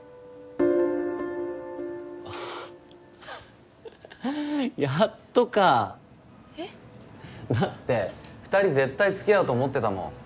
あやっとかえっ？だって二人絶対付き合うと思ってたもん